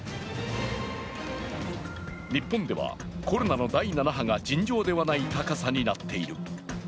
日本ではコロナの第７波が尋常ではない高さになっている。